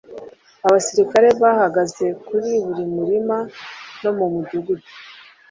Abasirikare bahagaze kuri buri murima no mumudugudu.